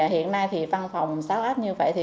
hiện nay văn phòng sáu áp như vậy